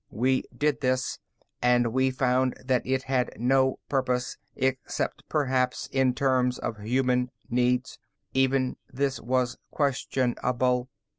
We did this, and we found that it had no purpose, except, perhaps, in terms of human needs. Even this was questionable.